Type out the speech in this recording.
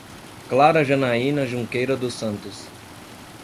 Clara Janayna Junqueira dos Santos